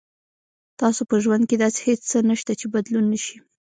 تاسو په ژوند کې داسې هیڅ څه نشته چې بدلون نه شي.